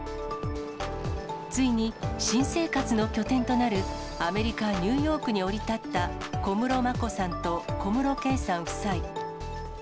ついに、新生活の拠点となるアメリカ・ニューヨークに降り立った小室眞子さんと小室圭さん夫妻。